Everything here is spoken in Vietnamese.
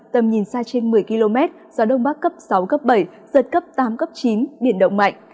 tầm nhìn xa trên một mươi km gió đông bắc cấp sáu cấp bảy giật cấp tám cấp chín biển động mạnh